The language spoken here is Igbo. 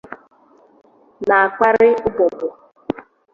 na-akparị ụbọbọ.